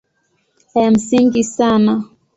Ya msingi sana